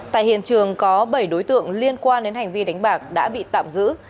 tại hiện trường có bảy đối tượng liên quan đến hành vi đánh bạc đã bị tạm giữ